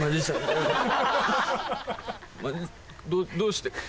どどうして？